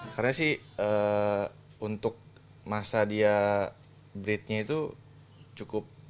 karena sih untuk masa dia breednya itu cukup